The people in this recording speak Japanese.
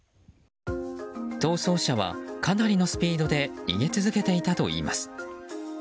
逃走車はかなりのスピードで逃げ続けていたといいます。